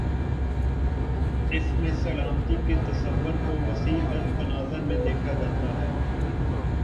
اس میں سلامتی کے تصور کو وسیع تر تناظر میں دیکھا جاتا ہے۔